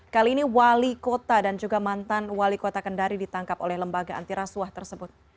kali ini wali kota dan juga mantan wali kota kendari ditangkap oleh lembaga antirasuah tersebut